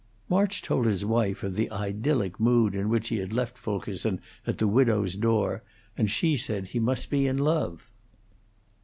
March told his wife of the idyllic mood in which he had left Fulkerson at the widow's door, and she said he must be in love.